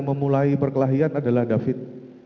memulai perkelahian adalah david